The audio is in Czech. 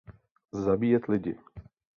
Zabíjet lidi.